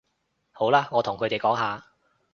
好啦，我同佢哋講吓